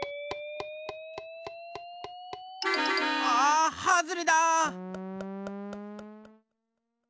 あはずれだ！